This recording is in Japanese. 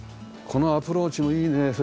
このアプローチもいいね。